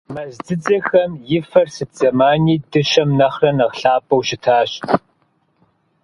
Мэз дзыдзэм и фэр сыт зэмани дыщэм нэхърэ нэхъ лъапӀэу щытащ.